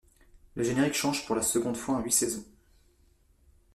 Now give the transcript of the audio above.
Le générique change pour la seconde fois en huit saisons.